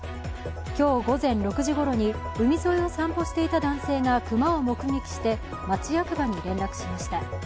今日午前６時頃に海沿いを散歩していた男性が熊を目撃して、町役場に連絡しました。